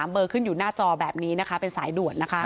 เบอร์ขึ้นอยู่หน้าจอแบบนี้นะคะเป็นสายด่วนนะคะ